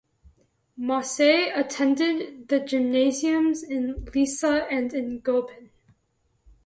Mosse attended the "gymnasiums" in Lissa and in Goben.